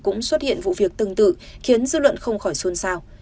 cũng xuất hiện vụ việc tương tự khiến dư luận không khỏi xuân sao